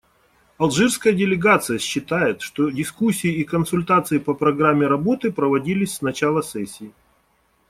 Алжирская делегация считает, что дискуссии и консультации по программе работы проводились с начала сессии.